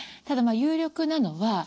ただまあ有力なのは